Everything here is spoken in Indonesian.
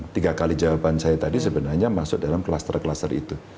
tiga kali jawaban saya tadi sebenarnya masuk dalam kluster kluster itu